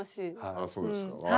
あそうですか。